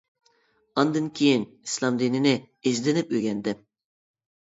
ئاندىن كېيىن، ئىسلام دىنىنى ئىزدىنىپ ئۆگەندىم.